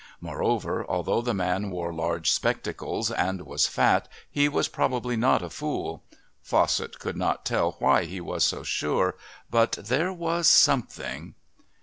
Moreover, although the man wore large spectacles and was fat he was probably not a fool.... Fawcett could not tell why he was so sure, but there was something....